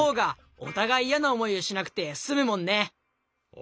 お！